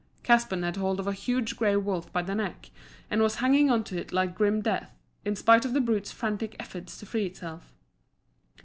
Caspan had hold of a huge grey wolf by the neck, and was hanging on to it like grim death, in spite of the brute's frantic efforts to free itself.